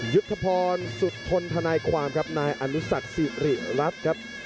ยุทธพรสุดทนทนายความครับนายอนุสักสิริรัตน์ครับ